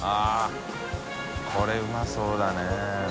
◆舛これうまそうだね。